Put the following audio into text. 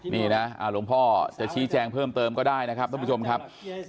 นี่นะหลวงพ่อจะชี้แจงเพิ่มเติมก็ได้นะครับท่านผู้ชมครับ